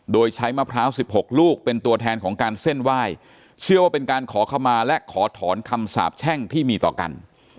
โดยใช้มะพร้าว๑๖ลูกเป็นตัวแทนของการเส้นไหว้เชื่อว่าเป็นการขอขมาและขอถอนคำสาบแช่งที่มีต่อกัน